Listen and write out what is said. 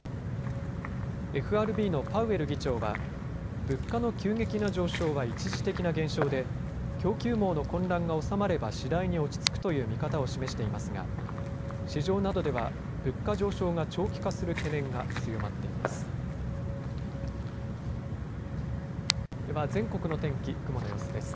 ＦＲＢのパウエル議長は物価の急激な上昇は一時的な現象で供給網の混乱が収まれば次第に落ち着くという見方を示していますが市場などでは物価上昇が長期化する懸念が強まっています。